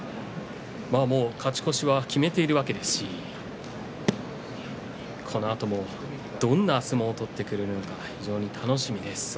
勝ち越しは決めているわけですしこのあともどんな相撲を取ってくれるのか非常に楽しみです。